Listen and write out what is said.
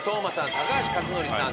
高橋克典さん